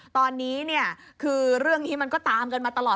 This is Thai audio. ตอนนี้เนี่ยคือเรื่องนี้มันก็ตามกันมาตลอด